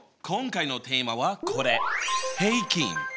今回のテーマはこれ平均！